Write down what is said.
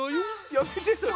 やめてそれ。